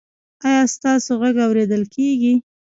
ایا ستاسو غږ اوریدل کیږي؟